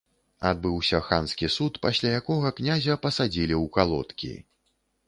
Адбыўся ханскі суд, пасля якога князя пасадзілі ў калодкі.